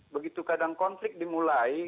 begitu kadang konflik dimulai